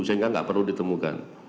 sehingga gak perlu ditemukan